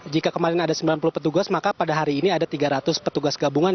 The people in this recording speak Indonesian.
jika kemarin ada sembilan puluh petugas maka pada hari ini ada tiga ratus petugas gabungan